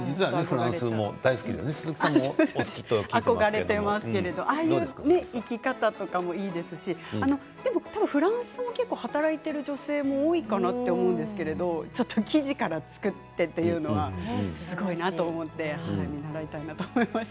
フランスも大好きで憧れていますけれどもああいう生き方もいいですし多分フランスも働いている女性も多いかなと思うんですけれど生地から作ってというのはすごいなと思って見習いたいなと思いました。